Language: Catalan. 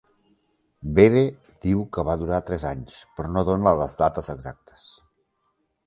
Bede diu que va durar tres anys, però no dona les dates exactes.